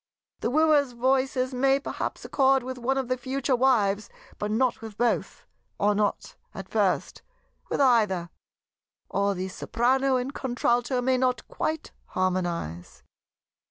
The Wooer's voices may perhaps accord with one of the future wives, but not with both; or not, at first, with either; or the Soprano and Contralto may not quite harmonize.